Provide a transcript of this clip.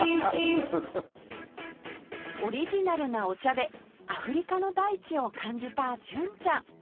オリジナルなお茶でアフリカの大地を感じた純ちゃん